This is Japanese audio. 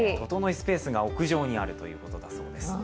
スペースが屋上にあるということです。